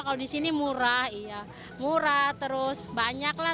kalau disini murah murah terus banyak lah